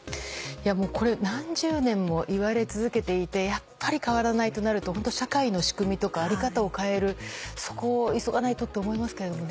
これ何十年も言われ続けていてやっぱり変わらないとなるとホント社会の仕組みとか在り方を変えるそこを急がないとって思いますけれどもね。